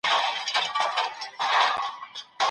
د تعليم حق له چا نه سي اخيستل کيدای.